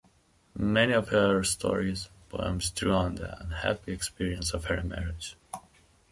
Many of her stories and poems drew on the unhappy experience of her marriage.